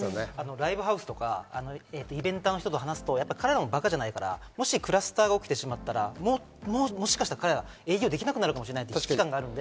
ライブハウスとかイベンターの方と話すと、もしクラスターが起きてしまったら、もしかしたら彼らは営業できなくなるかもしれない。